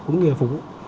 cũng như là phục vụ